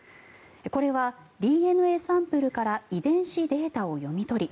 これはＤＮＡサンプルから遺伝子データを読み取り